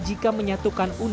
jika menyatukan perlindungan